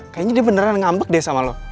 kayaknya dia beneran ngambek deh sama lu